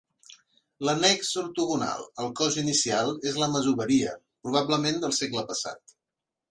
L'annex ortogonal al cos inicial és la masoveria, probablement del segle passat.